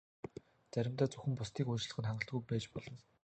Заримдаа зөвхөн бусдыг уучлах нь хангалтгүй байж болно.